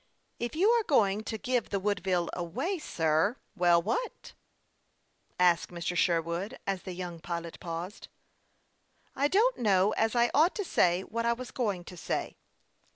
" If you are going to give the "Woodville away, sir, "" Well, what ?" asked Mr. Sherwood, as the young pilot paused. " I don't know as I ought to say what I was going to say."